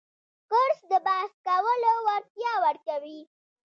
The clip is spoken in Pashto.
کورس د بحث کولو وړتیا ورکوي.